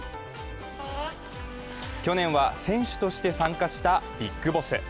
去年は、選手として参加したビッグボス。